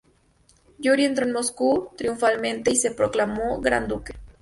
Yuri entró en Moscú triunfalmente y se proclamó Gran Duque.